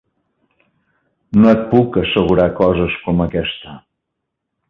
No et puc assegurar coses com aquesta.